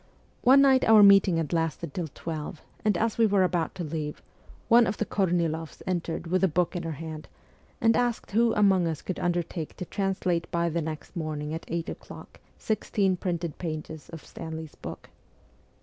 One night our meeting had lasted till twelve, and as we were about to leave, one of the Korniloffs entered with a book in her hand, and asked who among us could undertake to translate by the next morning at eight o'clock sixteen printed pages of Stanley's book.